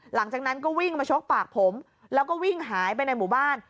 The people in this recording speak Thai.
หลังจากนั้นก็วิ่งมาชกปากผมแล้วก็วิ่งหายไปในหมู่บ้าน